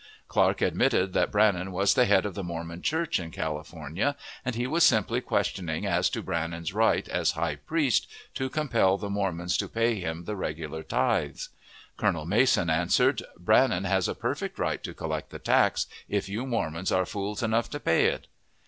Clark admitted that Brannan was the head of the Mormon church in California, and he was simply questioning as to Brannan's right, as high priest, to compel the Mormons to pay him the regular tithes. Colonel Mason answered, "Brannan has a perfect right to collect the tax, if you Mormons are fools enough to pay it."